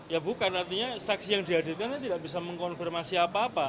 ya bukan artinya saksi yang dihadirkan tidak bisa mengkonfirmasi apa apa